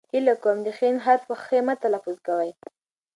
هیله کوم د ښ حرف په خ مه تلفظ کوئ.!